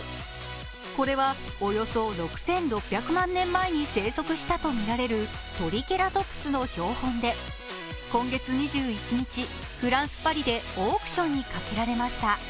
これは、およそ６６００万年前に生息したとみられるトリケラトプスの標本で、今月２１日、フランス・パリでオークションにかけられました。